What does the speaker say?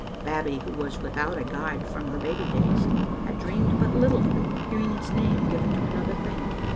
Babbie, who was without a guide from her baby days, had dreamed but little of it, hearing its name given to another thing.